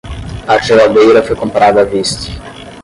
A geladeira foi comprada à vista.